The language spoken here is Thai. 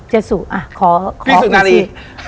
เจ๊สุอ่ะขอพี่สุนารี